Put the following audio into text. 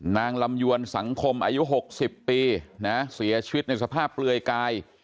นางลำยวนสังคมอายุ๖๐ปีนะเสียชีวิตในสภาพเปลือยกาย